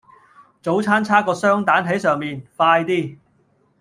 早餐差個雙蛋喺上面，快啲